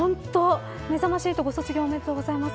めざまし８ご卒業おめでとうございます。